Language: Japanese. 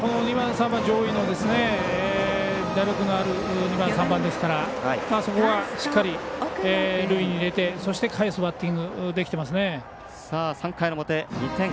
上位の打力のある２番３番ですからそこはしっかり塁に出てそして、かえすバッティングが３回の表、２点。